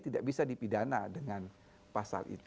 tidak bisa dipidana dengan pasal itu